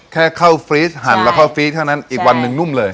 แค่เข้าฟรีสหั่นแล้วเข้าฟรีดเท่านั้นอีกวันหนึ่งนุ่มเลย